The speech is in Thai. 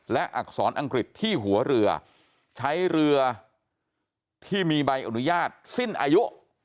และอักษรอังกฤษที่หัวเรือใช้เรือที่มีใบอนุญาตสิ้นอายุ